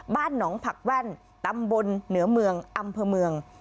บ้านหนองผักแว่นตำบลเหนือเมืองอำเภอเมือง